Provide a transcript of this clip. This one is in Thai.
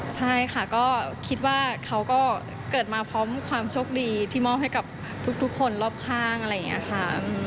ใช่ค่ะก็คิดว่าเขาก็เกิดมาพร้อมความโชคดีที่มอบให้กับทุกคนรอบข้างอะไรอย่างนี้ค่ะ